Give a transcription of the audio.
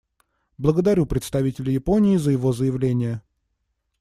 Благодарю представителя Японии за его заявление.